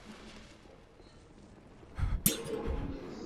Nyanya nne kubwa